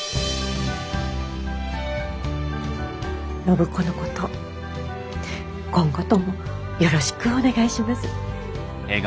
暢子のこと今後ともよろしくお願いします。